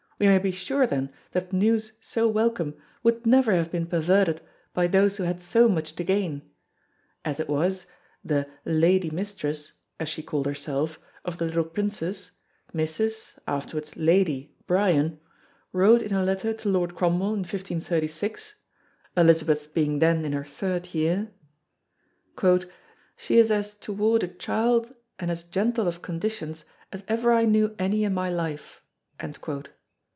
We may be sure then that news so welcome would never have been perverted by those who had so much to gain. As it was, the "lady mistress" as she called herself of the little Princess, Mrs. (afterwards Lady) Bryan, wrote in her letter to Lord Cromwell in 1536 Elizabeth being then in her third year: "She is as toward a child and as gentle of conditions, as ever I knew any in my life."